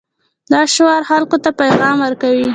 دا شعار خلکو ته پیغام ورکوي.